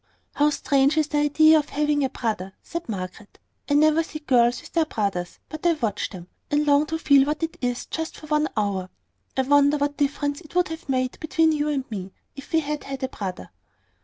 "How strange is the idea of having a brother!" said Margaret. "I never see girls with their brothers but I watch them, and long to feel what it is, just for one hour. I wonder what difference it would have made between you and me, if we had had a brother."